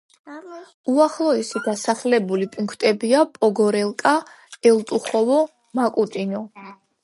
უახლოესი დასახლებული პუნქტებია: პოგორელკა, ელტუხოვო, მაკუტინო.